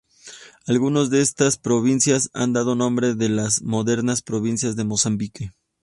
Algunas de estas provincias han dado nombre al de las modernas provincias de Mozambique.